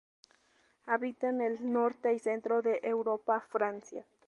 Habita en el Norte y centro de Europa, Francia.